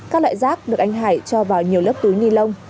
các loại rác được anh hải cho vào nhiều lớp túi ni lông